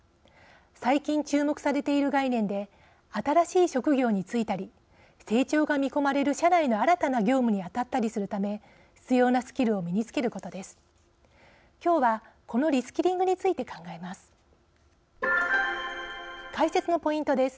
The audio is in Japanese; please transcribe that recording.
最近、注目されている概念で新しい職業に就いたり成長が見込まれる社内の新たな業務に当たったりするため必要なスキルを身につけることです。